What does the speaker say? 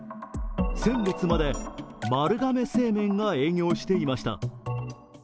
先月まで丸亀製麺が営業していました。